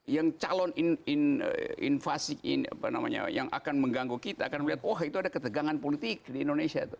yang calon invasi yang akan mengganggu kita akan melihat oh itu ada ketegangan politik di indonesia